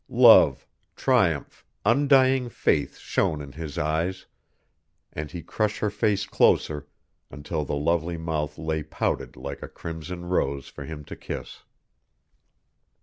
Love, triumph, undying faith shone in his eyes, and he crushed her face closer until the lovely mouth lay pouted like a crimson rose for him to kiss.